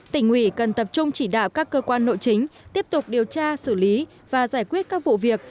tỉnh ủy cần tập trung chỉ đạo các cơ quan nội chính tiếp tục điều tra xử lý và giải quyết các vụ việc